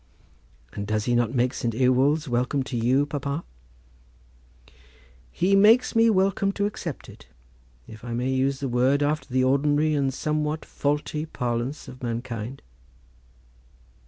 "And does he not make St. Ewolds welcome to you, papa?" "He makes me welcome to accept it, if I may use the word after the ordinary and somewhat faulty parlance of mankind."